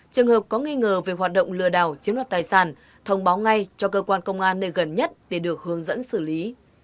trường hợp có nghi ngờ về hoạt động lừa đảo chiếm đoạt tài sản thông báo ngay cho cơ quan công an nơi gần nhất để được hướng dẫn xử lý